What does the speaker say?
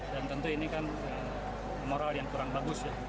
dan tentu ini kan moral yang kurang bagus